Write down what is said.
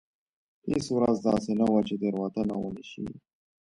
هېڅ ورځ داسې نه وه چې تېروتنه ونه شي.